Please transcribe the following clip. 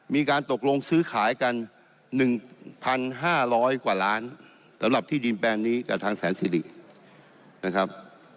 มีการตกลงซื้อขายกัน๑๕๐๐กว่าล้านสำหรับที่ดินแปลงนี้กับทางแสนสิรินะครับ